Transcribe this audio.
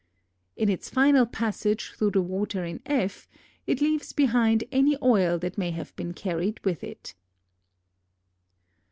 In its final passage through the water in F it leaves behind any oil that may have been carried with it.